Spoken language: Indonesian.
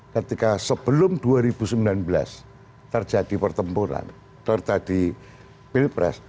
ketika sebelum dua ribu sembilan belas terjadi pertempuran terjadi pilpres